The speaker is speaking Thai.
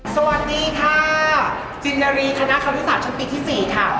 สวัสดีค่ะจินนารีคณะครุศาสตร์ชั้นปีที่๔ค่ะ